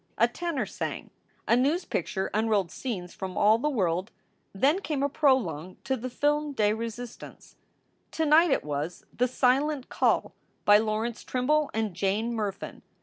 A tenor sang. A 384 SOULS FOR SALE news picture unrolled scenes from all the world. Then came a prologue to the film de resistance. To night it was "The Silent Call," by Laurence Trimble and Jane Murfin.